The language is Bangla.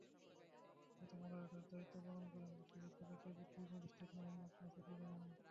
এতে মডারেটরের দায়িত্ব পালন করেন বিশ্ববিদ্যালয়ের ডেপুটি রেজিস্ট্রার মোহাম্মদ মাসুদুর রহমান।